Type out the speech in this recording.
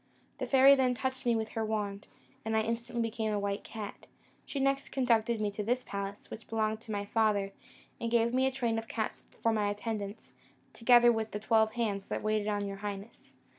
The fairy then touched me with her wand, and I instantly became a white cat. She next conducted me to this palace, which belonged to my father, and gave me a train of cats for my attendants, together with the twelve hands that waited on your highness.